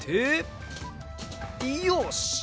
よし。